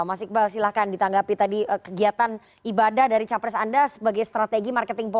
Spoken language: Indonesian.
mas iqbal silahkan ditanggapi tadi kegiatan ibadah dari capres anda sebagai strategi marketing poin